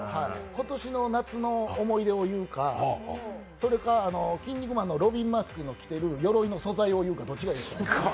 今年の夏の思い出を言うか、それとも「キン肉マン」のロビンマスクの着ている鎧の素材を言うか、どっちがいいですかね。